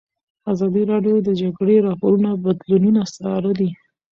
ازادي راډیو د د جګړې راپورونه بدلونونه څارلي.